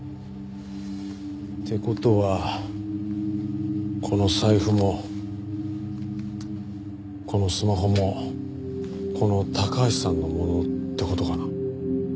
って事はこの財布もこのスマホもこの高橋さんのものって事かな？